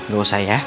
gak usah ya